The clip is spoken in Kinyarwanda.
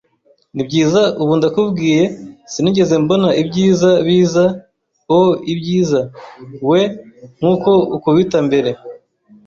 Nibyiza, ubu ndakubwiye, Sinigeze mbona ibyiza biza o 'ibyiza. We nkuko akubita mbere